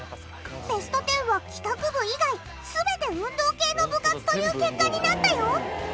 ベスト１０は帰宅部以外全て運動系の部活という結果になったよ。